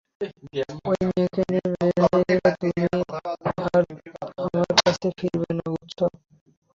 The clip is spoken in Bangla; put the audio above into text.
ঐ মেয়েকে নিয়ে বের হয়ে গেলে তুমি আর আমার কাছে ফিরবে না, বুঝেছ?